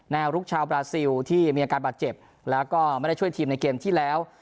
ลุกชาวบราซิลที่มีอาการบาดเจ็บแล้วก็ไม่ได้ช่วยทีมในเกมที่แล้ว